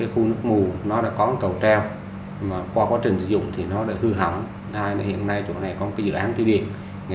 hiện tỉnh quảng ngãi đã bảo vệ cầu treo